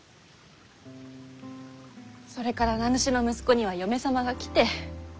それから名主の息子には嫁様が来て。